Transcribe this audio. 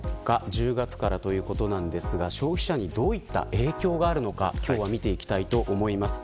１０月からということなんですが消費者にどういった影響があるのか今日は見ていきたいと思います。